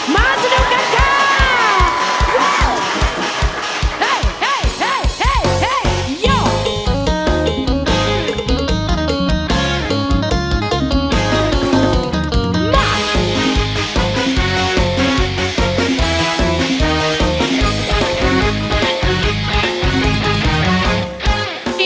มาสนุกกันกัน